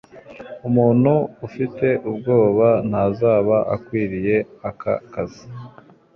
Umuntu ufite ubwoba ntazaba akwiriye aka kazi.